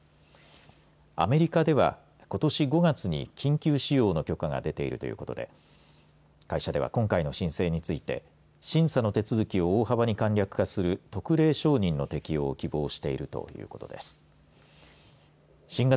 アメリカでは、ことし５月に緊急使用の許可が出ているということで会社では、今回の申請について審査の手続きを大幅に簡略化する特例承認の適用を希望しているということです。